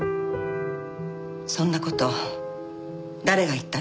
そんな事誰が言ったの？